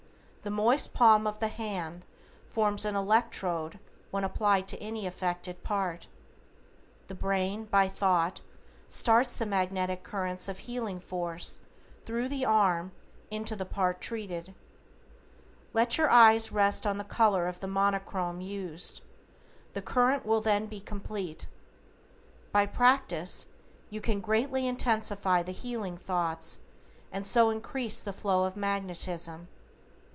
The moist palm of the hand forms an electrode when applied to any affected part. The brain, by thought, starts the magnetic currents of healing force thru the arm into the part treated. Let your eyes rest on the color of the Monochrome used, the current will then be complete. By practise you can greatly intensify the healing thoughts and so increase the flow of magnetism.